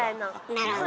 なるほど。